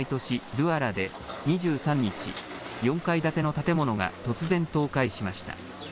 ドゥアラで２３日、４階建ての建物が突然、倒壊しました。